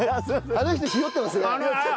あの人ヒヨってますよ。